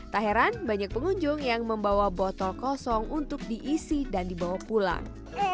tak heran banyak pengunjung yang membawa botol kosong untuk diisi dan dibawa pulang